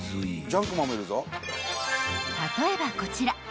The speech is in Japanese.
［例えばこちら］